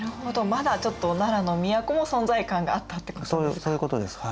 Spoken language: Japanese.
まだちょっと奈良の都も存在感があったってことですか。